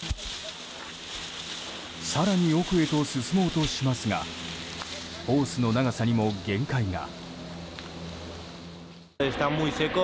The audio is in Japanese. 更に奥へと進もうとしますがホースの長さにも限界が。